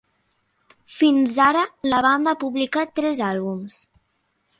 Fins ara, la banda ha publicat tres àlbums.